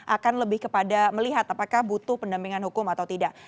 akan lebih kepada melihat apakah butuh pendampingan hukum atau tidak